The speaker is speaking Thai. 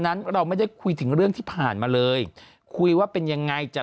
นั้นเราไม่ได้คุยถึงเรื่องที่ผ่านมาเลยคุยว่าเป็นยังไงจะ